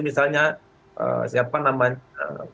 misalnya siapa namanya